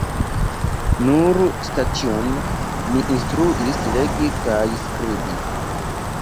Nur Staĉjon mi instruis legi kaj skribi.